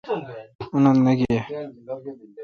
اتن نہ گیہ۔